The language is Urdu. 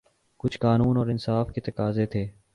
کچھ قانون اور انصاف کے تقاضے تھے۔